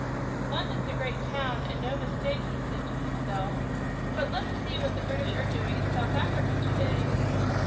"London's a great town, and no mistake," he said to himself; "but let's see what the British are doing in South Africa to day."